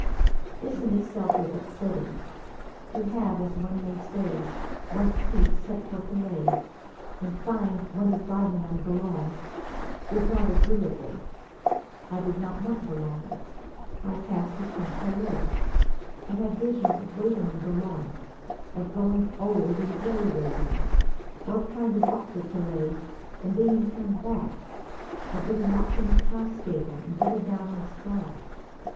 This in itself was upsetting. To have, as one may say, one's teeth set for Calais, and find one is biting on Boulogne, is not agreeable. I did not want Boulogne. My pass was from Calais. I had visions of waiting in Boulogne, of growing old and grey waiting, or of trying to walk to Calais and being turned back, of being locked in a cow stable and bedded down on straw.